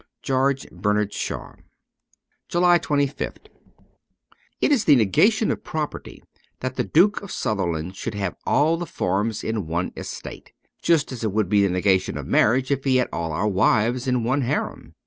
^George Bernard Shaw.' S28 JULY 25th IT is the negation of property that the Duke of Sutherland should have all the farms in one estate ; just as it would be the negation of marriage if he had all our wives in one harem.